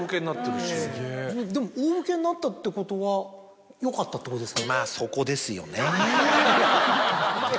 でも大ウケになったってことはよかったってことですか？